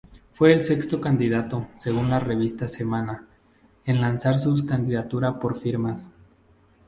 Fue el sexto candidato, según la revista Semana, en lanzar su candidatura por firmas.